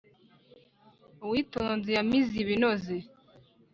Uwitonze yamize ibinoze